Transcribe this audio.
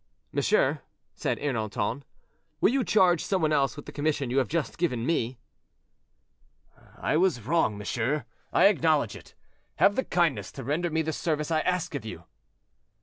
"Monsieur," said Ernanton, "will you charge some one else with the commission you have just given me?" "I was wrong, monsieur, I acknowledge it; have the kindness to render me the service I ask of you."